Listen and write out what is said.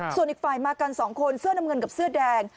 ส่วนอีกฝ่ายมากัน๒คนเสื้อน้ำเงินกับเสื้อแดง